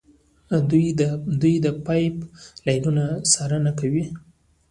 دوی د پایپ لاینونو څارنه کوي.